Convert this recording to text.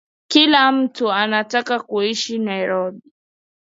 Kila mtu anataka kuishi Nairobi